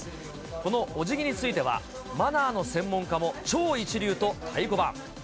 このおじぎについては、マナーの専門家も超一流と太鼓判。